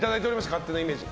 勝手なイメージ。